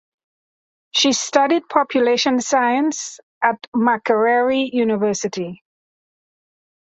She studied population science at Makerere University.